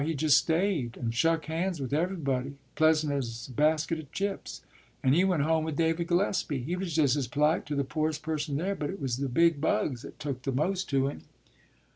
He just stayed, and shuck hands with everybody, pleasant as a basket of chips; and he went home with David Gillespie. He was just as polite to the poorest person there, but it was the big bugs that tuck the most to him.